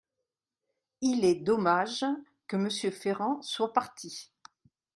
Il est dommage que Monsieur Ferrand soit parti.